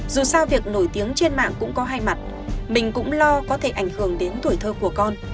dù sao việc nổi tiếng trên mạng cũng có hai mặt mình cũng lo có thể ảnh hưởng đến tuổi thơ của con